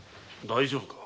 大丈夫か？